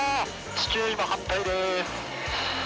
地球今反対です。